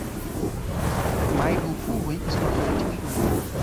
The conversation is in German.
Maiduguri ist noch relativ jung.